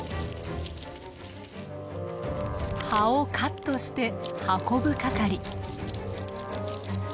葉をカットして運ぶ係。